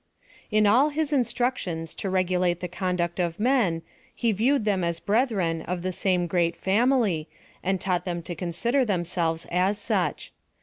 In all his instructions to regulate the conduct of men, he viewed them as brethren of the same great family, and taught them to consider themselves as such.